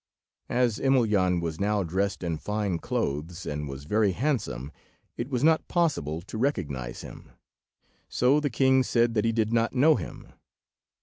As Emelyan was now dressed in fine clothes, and was very handsome, it was not possible to recognise him; so the king said that he did not know him.